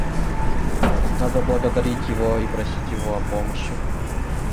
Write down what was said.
Надо благодарить Его и просить Его о помощи.